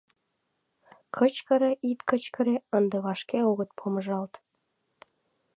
Кычкыре, ит кычкыре — ынде вашке огыт помыжалт.